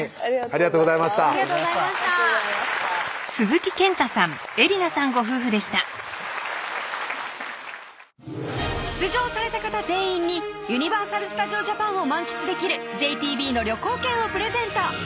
ありがとうございましたありがとうございます出場された方全員にユニバーサル・スタジオ・ジャパンを満喫できるＪＴＢの旅行券をプレゼント